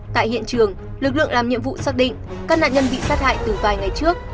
tại hiện trường lực lượng làm nhiệm vụ xác định các nạn nhân bị sát hại từ vài ngày trước